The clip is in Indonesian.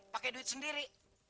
pakai duit sendiri